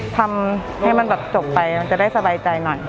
ทำให้มันแบบจบไปมันจะได้สบายใจหน่อย